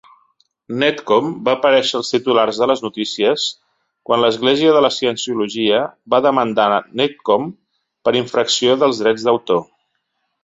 Netcom va aparèixer als titulars de les notícies quan l"Església de la Cienciologia va demandar Netcom per infracció del drets d"autor.